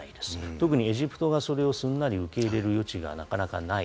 特にエジプトがそれをすんなり受け入れる余地がなかなかない。